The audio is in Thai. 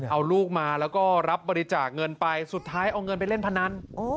เอาลูกมาแล้วก็รับบริจาคเงินไปสุดท้ายเอาเงินไปเล่นพนัน